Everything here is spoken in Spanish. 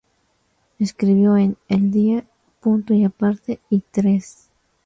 Escribió en "El Día", "Punto y Aparte" y "Tres".